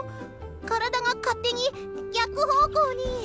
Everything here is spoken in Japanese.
体が勝手に逆方向に。